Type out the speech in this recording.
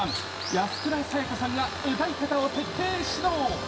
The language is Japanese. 安倉さやかさんが歌い方を徹底指導！